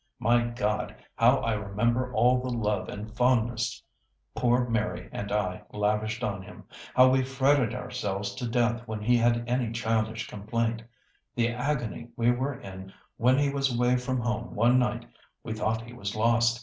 My God! how I remember all the love and fondness poor Mary and I lavished on him—how we fretted ourselves to death when he had any childish complaint—the agony we were in when he was away from home one night, we thought he was lost.